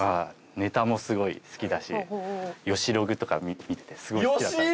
ネタもすごい好きだし『よしログ』とか見ててすごい好きだったんです。